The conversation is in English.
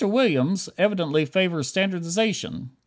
Williams evidently favors standardization.